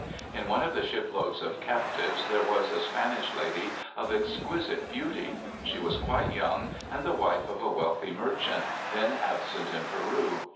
In one of the shiploads of captives there was a Spanish lady of exquisite beauty. She was quite young, and the wife of a wealthy merchant, then absent in Peru.